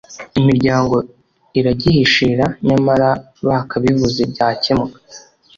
imiryango iragihishira nyamara bakabivuze byakemuka